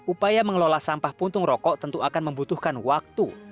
upaya mengelola sampah puntung rokok tentu akan membutuhkan waktu